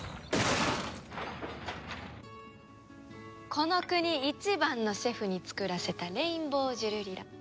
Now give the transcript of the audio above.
この国一番のシェフに作らせたレインボージュルリラ。